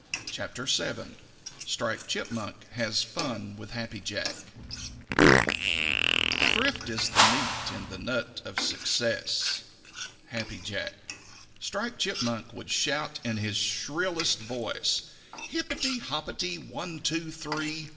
CHAPTER VII STRIPED CHIPMUNK HAS FUN WITH HAPPY JACK Thrift is the meat in the nut of success. Happy Jack. Striped Chipmunk would shout in his shrillest voice: "Hipperty, hopperty, one, two, three!